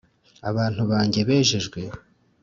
abantu banjye bejejwe